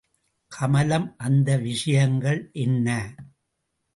கமலம் அந்த விஷயங்கள் என்ன?